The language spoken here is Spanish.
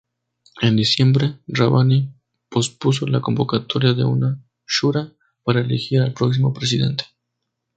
En diciembre, Rabbani pospuso la convocatoria de una shura para elegir al próximo presidente.